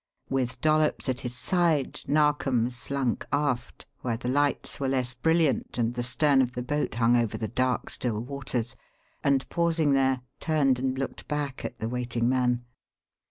With Dollops at his side, Narkom slunk aft, where the lights were less brilliant and the stern of the boat hung over the dark, still waters, and pausing there, turned and looked back at the waiting man.